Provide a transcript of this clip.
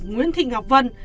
nguyễn thị ngọc vân